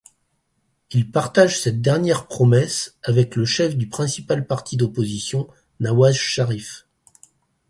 Il partage cette dernière promesse avec le chef du principal parti d'opposition Nawaz Sharif.